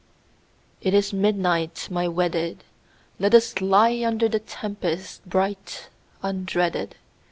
I. It is midnight, my wedded ; Let us lie under The tempest bright undreaded.